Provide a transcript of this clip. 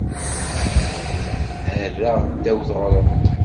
Herraɣ ddaw teɣruḍt.